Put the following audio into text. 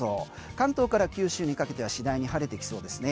関東から九州にかけては次第に晴れてきそうですね。